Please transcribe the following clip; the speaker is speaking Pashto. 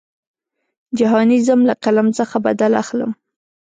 جهاني ځم له قلم څخه بدل اخلم.